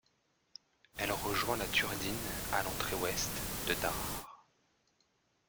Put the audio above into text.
Elle rejoint la Turdine à l'entrée ouest de Tarare.